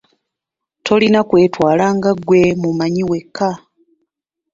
Tolina kwetwala nga ggwe mumanyi wekka.